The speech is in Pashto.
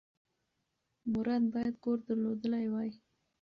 مراد باید کور درلودلی وای.